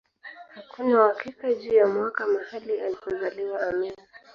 Hakuna uhakika juu ya mwaka mahali alikozaliwa Amin